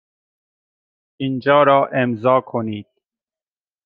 اینجا را امضا کنید.